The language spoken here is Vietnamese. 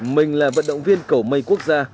mình là vận động viên cầu mây quốc gia